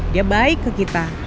dia baik ke kita